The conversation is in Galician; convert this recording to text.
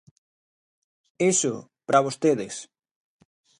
Iso, para vostedes.